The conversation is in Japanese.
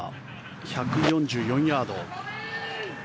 １４４ヤード。